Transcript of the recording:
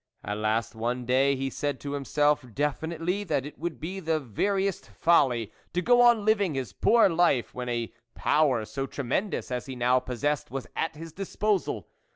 At last one day he said to himself definitely that it would be the veriest folly to go on living his poor life when a power so tremendous as he now possessed, was at his disposal.